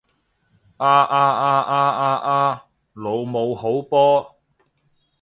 啊啊啊啊啊啊！老母好波！